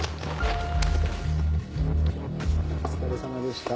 お疲れさまでした。